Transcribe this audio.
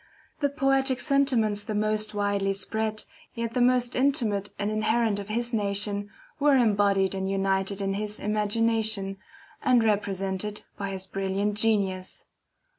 The poetic sentiments the most widely spread, yet the most intimate and inherent of his nation, were embodied and united in his imagination, and represented by his brilliant genius.